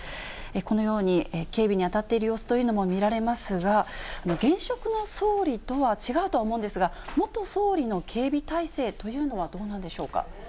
このように、警備に当たっている様子というのも見られますが、現職の総理とは違うとは思うんですが、元総理の警備体制というのは、どうなんでしょうか。